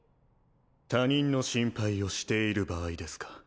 他人の心配をしている場合ですか？